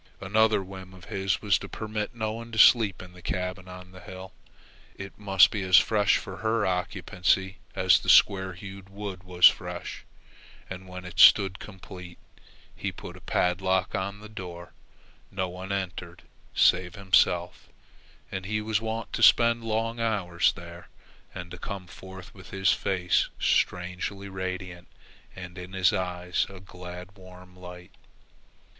Another whim of his was to permit no one to sleep in the new cabin on the hill. It must be as fresh for her occupancy as the square hewed wood was fresh; and when it stood complete, he put a padlock on the door. No one entered save himself, and he was wont to spend long hours there, and to come forth with his face strangely radiant and in his eyes a glad, warm light.